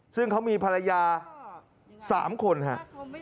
ซึ่งเขามีภรรยา๓คนครับ